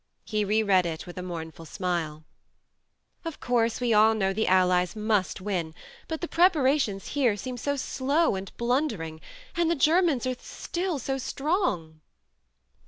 He re read it with a mournful smile. " Of course we all know the Allies must win; but the preparations here seem so slow and blundering; and the Ger mans are still so strong.